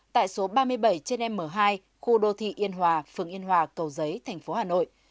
tại số ba mươi bảy trên m hai khu đô thị yên hòa phường yên hòa cầu giấy thành phố hà nội